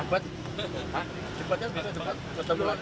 debat ya besok